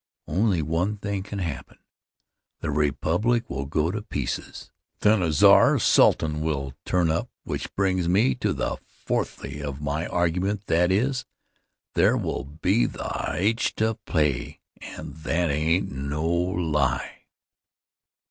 Only one thing can happen: the republic will go to pieces. Then a czar or a sultan will turn up, which brings me to the fourthly of my argument that is, there will be h to pay. And that ain't no lie.